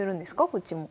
こっちも。